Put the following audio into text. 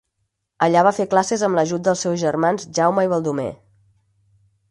Allà va fer classes amb l'ajut dels seus germans Jaume i Baldomer.